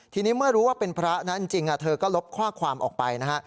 ทีนี้เมื่อรู้ว่าเป็นพระนะจริงเธอก็ลบข้อความออกไปนะฮะ